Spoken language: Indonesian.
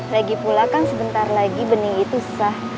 lagipula kan sebentar lagi bening itu susah